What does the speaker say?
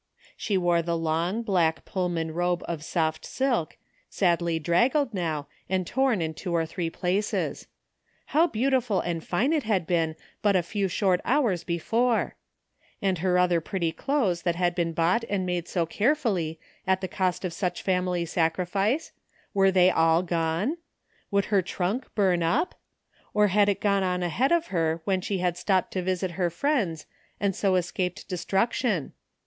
She wore the long black Pullman robe of soft silk, sadly draggled now and torn in two or three places. How beautiful and fine it had been but a few short hours before ! And her other pretty clothes that had been bought and made so carefully at the cost of such family sacrifice? Were they all gone? Would her trunk bum up? Or had it gone on ahead of her when she had stopped to visit her friends and so escaped destruction?